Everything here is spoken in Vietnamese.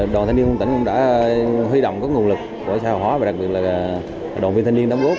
đoàn thanh niên tỉnh cũng đã huy động các nguồn lực của xã hội hóa và đặc biệt là đoàn viên thanh niên đóng góp